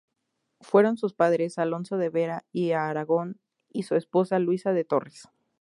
Fueron sus padres Alonso de Vera y Aragón y su esposa Luisa de Torres.